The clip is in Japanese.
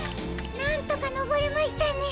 なんとかのぼれましたね。